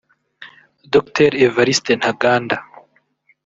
Dr Evariste Ntaganda